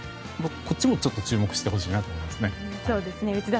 こっちも注目してほしいなと思いましたね。